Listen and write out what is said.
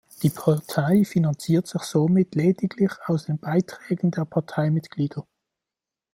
Die Partei finanziert sich somit lediglich aus den Beiträgen der Parteimitglieder.